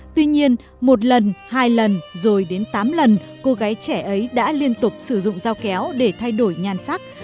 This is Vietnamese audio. tuy nhiên một lần hai lần rồi đến tám lần cô gái trẻ ấy đã liên tục sử dụng dao kéo để thay đổi nhan sắc